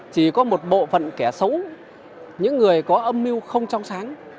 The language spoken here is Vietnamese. chỉ có một bộ phận kẻ xấu những người có âm mưu không trong sáng